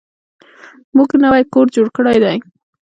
موږ نوی کور جوړ کړی دی.